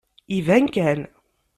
Iban kan.